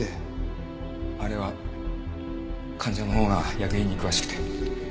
あれは患者のほうが薬品に詳しくて。